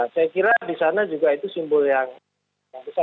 saya kira di sana juga itu simbol yang besar